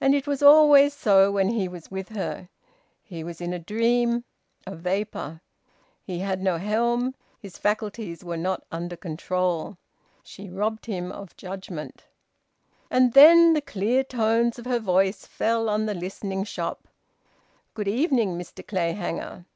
And it was always so when he was with her: he was in a dream, a vapour; he had no helm, his faculties were not under control. She robbed him of judgement. And then the clear tones of her voice fell on the listening shop: "Good evening, Mr Clayhanger.